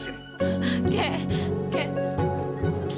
saya mohon kek